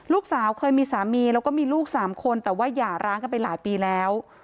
ลูกสาวเคยมีสามีแล้วก็มีลูก๓คนแต่ว่าหย่าร้างกันไปหลายปีแล้ว